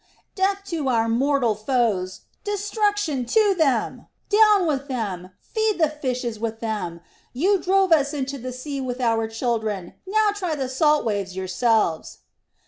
"Death to our mortal foes! Destruction to them! Down with them! Feed the fishes with them! You drove us into the sea with our children, now try the salt waves yourselves!"